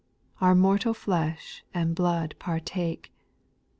Our mortal flesh and blood partake.